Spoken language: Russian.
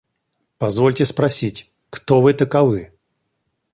– Позвольте спросить, кто вы таковы?